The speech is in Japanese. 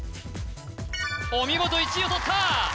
お見事１位をとった！